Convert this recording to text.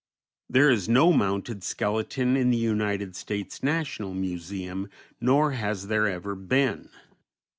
There is no mounted skeleton in the United States National Museum, nor has there ever been.